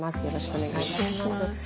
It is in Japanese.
よろしくお願いします。